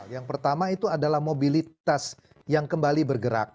yang pertama itu adalah mobilitas yang kembali bergerak